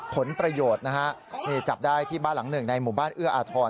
ผลประโยชน์นะฮะนี่จับได้ที่บ้านหลังหนึ่งในหมู่บ้านเอื้ออาทร